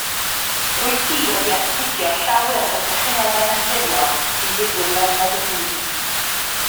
Rwyt ti wedi astudio llawer o drychinebau naturiol sy'n digwydd ledled y byd